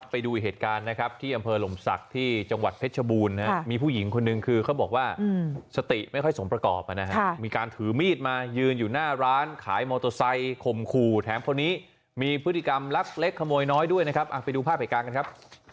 ไปดูอีกเหตุการณ์นะครับที่อำเภอหลมศักดิ์ที่จังหวัดเพชรบูรณ์มีผู้หญิงคนนึงคือเขาบอกว่าสติไม่ค่อยสมประกอบนะครับมีการถือมีดมายืนอยู่หน้าร้านขายมอเตอร์ไซค์ข่มขู่แถมคนนี้มีพฤติกรรมลักเล็กขโมยน้อยด้วยนะครับไปดูภาพเหตุการณ์กันครับ